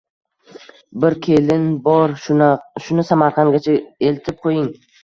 Bir kelin bor, shuni Samarqandgacha eltib qo‘ying